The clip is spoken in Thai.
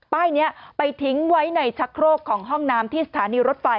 ป้ายนี้ไปทิ้งไว้ในชักโครกของห้องน้ำที่สถานีรถไฟ